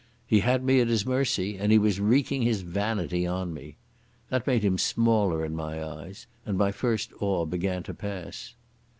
He had me at his mercy, and was wreaking his vanity on me. That made him smaller in my eyes, and my first awe began to pass.